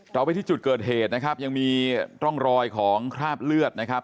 เราไปที่จุดเกิดเหตุนะครับยังมีร่องรอยของคราบเลือดนะครับ